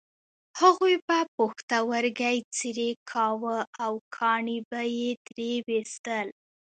هغوی به پښتورګی څیرې کاوه او کاڼي به یې ترې ویستل.